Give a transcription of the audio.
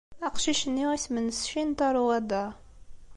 Aqcic-nni isem-nnes Shintaro Wada.